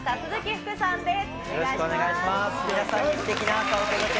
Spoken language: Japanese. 福さんです。